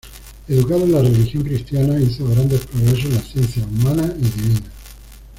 Educado en la religión cristiana, hizo grandes progresos en las ciencias humanas y divinas.